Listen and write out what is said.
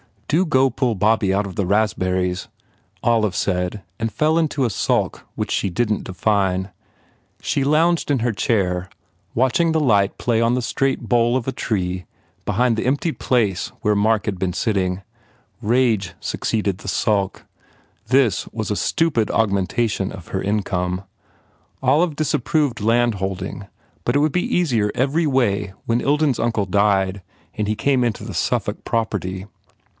"Do go pull Bobby out of the raspberries," Olive said and fell into a sulk which she didn t define. She lounged in her chair watching the light play on the straight bole of a tree behind the emptied place where Mark had been sitting. ... Rage succeeded the sulk. This was a stupid augmentation of her income. Olive disapproved landholding but it would be easier every way when Ilden s uncle died and he came into the Suffolk property.